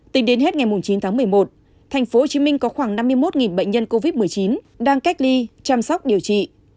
tính đến hết ngày chín tháng một mươi một tp hcm có khoảng năm mươi một bệnh nhân covid một mươi chín đang cách ly chăm sóc điều trị